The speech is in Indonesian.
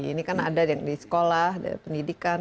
ini kan ada yang di sekolah pendidikan